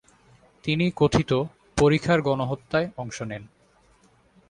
তিনি কথিত “পরিখার গণহত্যায়” অংশ নেন।